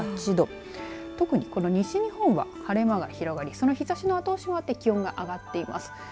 特に、この西日本は晴れ間が広がり、その日ざしの後押しもあって気温が上がっています。